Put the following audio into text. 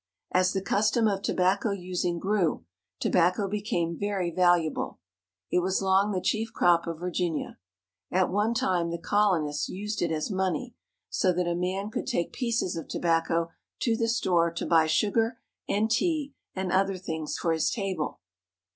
As the custom of tobacco using grew, tobacco became very valuable. It was long the chief crop of Virginia. At one time the colonists used it as money, so that a man could take pieces of tobacco to the store to buy sugar and tea and other things for his table.